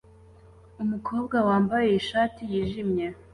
Umukobwa wambaye ishati yijimye